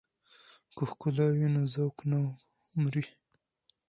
که ښکلا وي نو ذوق نه مري.